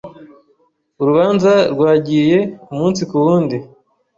Urubanza rwagiye umunsi ku wundi.